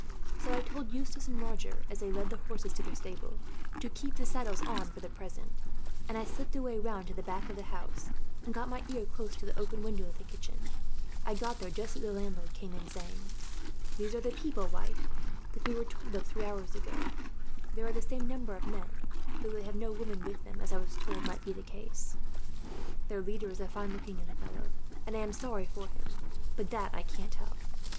So I told Eustace and Roger, as they led the horses to the stable, to keep the saddles on for the present; and I slipped away round to the back of the house, and got my ear close to the open window of the kitchen. I got there just as the landlord came in, saying: [Illustration: Pierre listens at the open window of the inn.] "'These are the people, wife, that we were told of three hours ago. There are the same number of men, though they have no women with them, as I was told might be the case. Their leader is a fine looking young fellow, and I am sorry for him, but that I can't help.